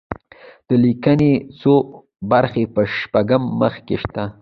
د لیکني څو جملې په شپږم مخ کې شته.